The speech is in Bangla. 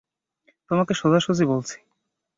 তোমাকে সোজাসুজি বলছি।